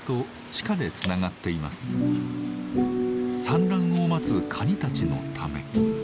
産卵を待つカニたちのため。